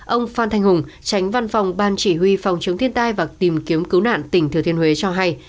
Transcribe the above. ông phan thanh hùng tránh văn phòng ban chỉ huy phòng chống thiên tai và tìm kiếm cứu nạn tỉnh thừa thiên huế cho hay